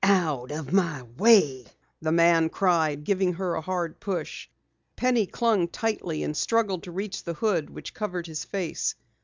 "Out of my way!" the man cried, giving her a hard push. Penny clung tightly and struggled to reach the hood which covered his face.